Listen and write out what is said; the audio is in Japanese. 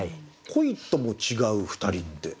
「恋とも違ふ二人」って。